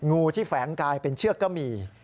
งูที่แฝงกายเป็นเชือกก็มี